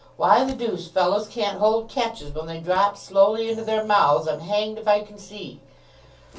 Why the deuce fellows can't hold catches when they drop slowly into their mouths I'm hanged if I can see."